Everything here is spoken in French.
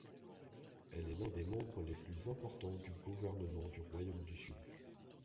Elle est l'un des membres les plus importants du gouvernement du Royaume du Sud.